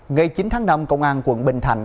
ngày chín tháng năm công an quận bình thạnh